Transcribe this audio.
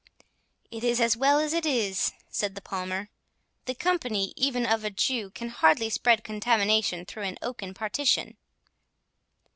"It is as well as it is," said the Palmer; "the company, even of a Jew, can hardly spread contamination through an oaken partition."